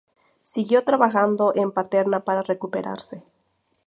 Siguió trabajando en Paterna para recuperarse.